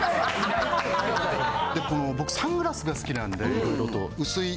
で僕サングラスが好きなんで薄い